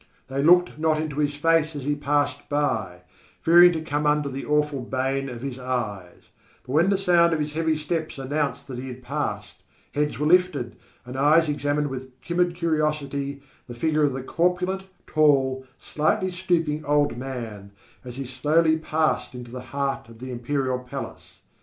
They looked not into his face as he passed by, fearing to come under the awful bane of his eyes; but when the sound of his heavy steps announced that he had passed, heads were lifted, and eyes examined with timid curiosity the figure of the corpulent, tall, slightly stooping old man, as he slowly passed into the heart of the imperial palace.